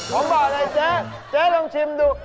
ผมบอกเลยเจ๊เจ๊ลองชิมดู